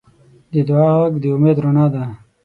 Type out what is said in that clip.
د دعا غږ د امید رڼا ده.